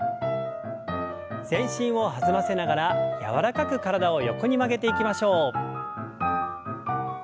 全身を弾ませながら柔らかく体を横に曲げていきましょう。